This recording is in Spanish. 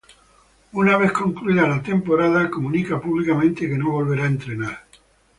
Una vez concluida la temporada, comunica públicamente que no volverá a entrenar.